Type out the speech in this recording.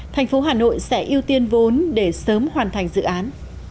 thành phố hà nội sẽ ưu tiên vốn để sớm hoàn thành dự án